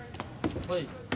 はい。